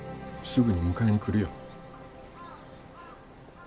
すぐに迎えに来るよ。